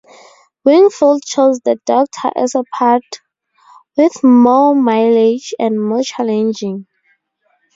Wingfield chose the doctor as a part with more mileage and more challenging.